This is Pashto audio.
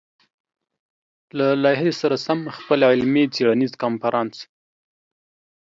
له لايحې سره سم خپل علمي-څېړنيز کنفرانس